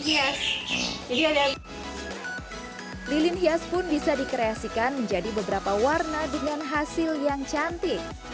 hias jadi ada lilin hias pun bisa dikreasikan menjadi beberapa warna dengan hasil yang cantik